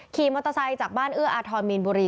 ขี่มอเตอร์ไซค์จากบ้านเอื้ออาทรมีนบุรี